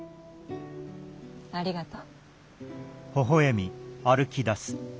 ありがとう。